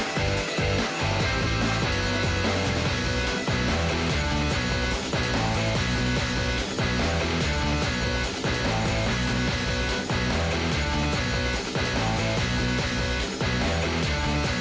สวัสดีครับสวัสดีค่ะ